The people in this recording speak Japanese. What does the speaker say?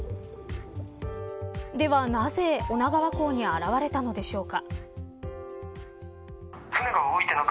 では、なぜ女川港に現れたのでしょうか。